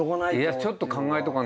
ちょっと考えとかないと。